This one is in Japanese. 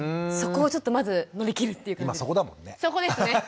そこをちょっとまず乗り切るっていう感じですね。